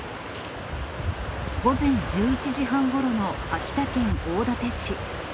午前１１時半ごろの秋田県大館市。